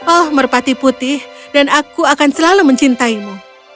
oh merpati putih dan aku akan selalu mencintaimu